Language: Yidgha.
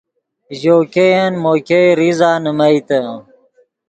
ژؤ ګئین مو ګئے ریزہ نیمئیتے